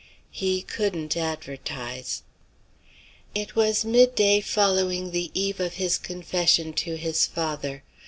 He couldn't advertise. It was midday following the eve of his confession to his father.